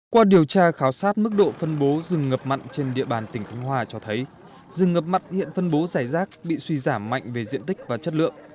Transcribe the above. qua điều tra khảo sát mức độ phân bố rừng ngập mặn trên địa bàn tỉnh khánh hòa cho thấy rừng ngập mặn hiện phân bố giải rác bị suy giảm mạnh về diện tích và chất lượng